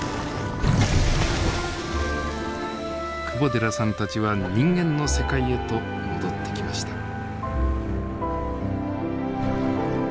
窪寺さんたちは人間の世界へと戻ってきました。